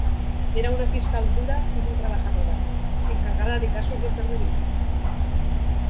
Era una fiscal dura y muy trabajadora, encargada de casos de terrorismo.